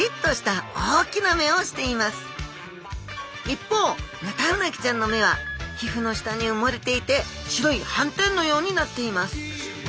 一方ヌタウナギちゃんの目はひふの下にうもれていて白いはんてんのようになっています。